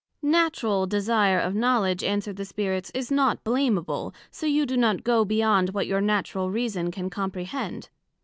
Natural desire of knowledg, answered the Spirits, is not blameable, so you do not go beyond what your Natural Reason can comprehend.